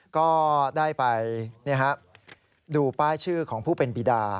ก็ได้ไปดูป้ายชื่อของผู้เป็นบีดา